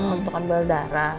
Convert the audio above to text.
untuk ambil darah